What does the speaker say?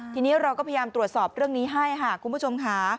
ทีนี้เราก็พยายามตรวจสอบเรื่องนี้ให้ค่ะคุณผู้ชมค่ะ